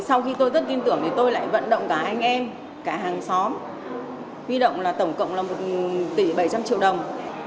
sau khi tôi tất tin tưởng thì tôi lại vận động cả anh em cả hàng xóm vi động là tổng cộng là một tỷ bảy trăm linh triệu đồng